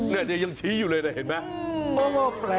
เนี่ยยังชี้อยู่เลยนะเห็นไหม